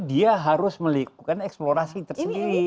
dia harus melakukan eksplorasi tersendiri